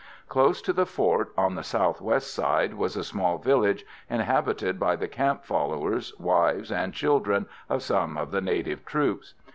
Close to the fort, on the south west side, was a small village inhabited by the camp followers, wives and children of some of the native troops.